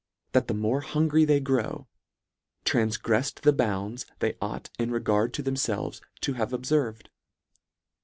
73 that the more hungry they grow, tranfgreffed the bounds, they ought in regard to themfel ves, to have obferved.